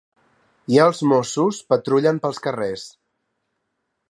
I els mossos patrullen pels carrers.